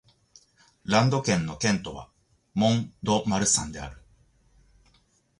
ランド県の県都はモン＝ド＝マルサンである